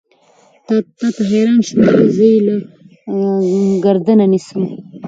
تا ته حېران شوم وائې زۀ يې له ګردنه نيسم